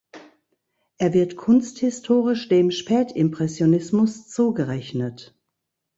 Er wird kunsthistorisch dem Spätimpressionismus zugerechnet.